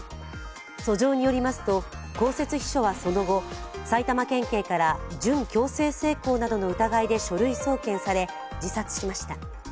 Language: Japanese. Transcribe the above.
訴状によりますと、公設秘書はその後、埼玉県警から準強制性交などの疑いで書類送検され、自殺しました。